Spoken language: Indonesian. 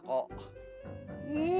kayaknya tembak kok